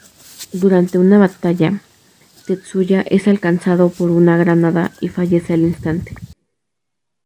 Durante una batalla, Tetsuya es alcanzado por una granada y fallece al instante.